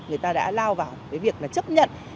người ta đã lao vào cái việc là chấp nhận